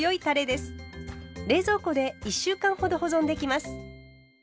冷蔵庫で１週間ほど保存できます。